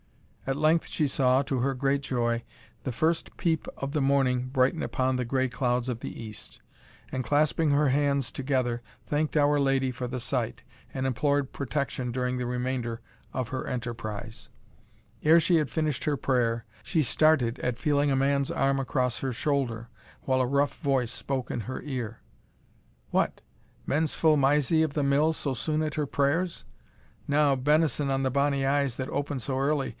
At length she saw, to her great joy, the first peep of the morning brighten upon the gray clouds of the east, and, clasping her hands together, thanked Our Lady for the sight, and implored protection during the remainder of her enterprise. Ere she had finished her prayer, she started at feeling a man's arm across her shoulder, while a rough voice spoke in her ear "What! menseful Mysie of the Mill so soon at her prayers? now, benison on the bonny eyes that open so early!